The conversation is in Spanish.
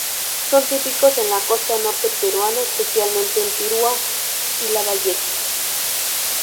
Son típicos en la costa norte peruana, especialmente en Piura y Lambayeque.